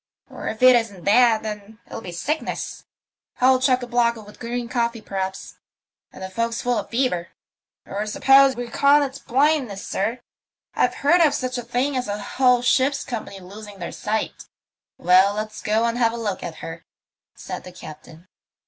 " Or if it isn't that, then it'll be sickness. Hold chock a block with green coffee, perhaps, and the fo'ksle full of fever. Or suppose you reckon it's blindness, sir? I've heard of such a thing as a whole ship's company losing their sight." 4 THE MYSTERY OF THE ''OCEAN START '*Well, let's go and have a look at her," said the captain.